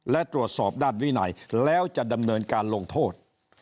และตรวจสอบด้านวินัยแล้วจะดำเนินการลงโทษ